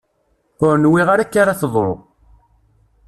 Ur nwiɣ ara akka ara teḍru.